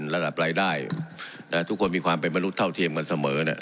ระดับรายได้ทุกคนมีความเป็นมนุษย์เท่าเทียมกันเสมอเนี่ย